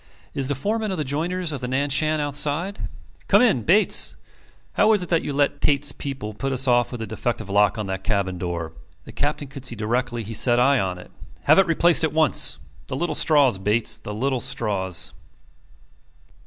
"Is the foreman of the joiners on the Nan Shan outside? ... Come in, Bates. How is it that you let Tait's people put us off with a defective lock on the cabin door? The Captain could see directly he set eye on it. Have it replaced at once. The little straws, Bates ... the little straws.